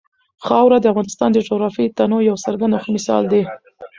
خاوره د افغانستان د جغرافیوي تنوع یو څرګند او ښه مثال دی.